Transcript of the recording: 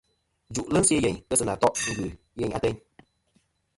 Jù'lɨ se' yeyn ghesɨna to' ngœ yèyn ateyn.